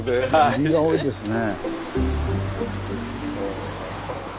売りが多いですね。